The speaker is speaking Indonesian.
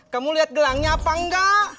kamu lihat gelangnya apa enggak